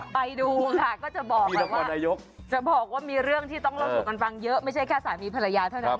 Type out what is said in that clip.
ไปดูค่ะก็จะบอกว่ามีเรื่องที่ต้องลองถูกกันฟังเยอะไม่ใช่แค่สามีภรรยาเท่านั้น